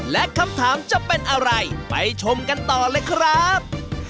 และคำถามจะเป็นอะไรไปชมกันต่อเลยครับ